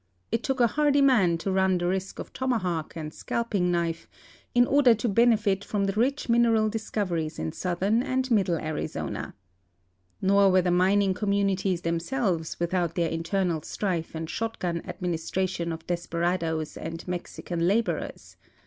It took a hardy man to run the risk of tomahawk and scalping knife in order to benefit from tlie rich mineral discoveries in southern and middle Arizona. Nor were the mining communi ties themselves without their internal strife and shotgun admin istration of desperadoes and Mexican laborers.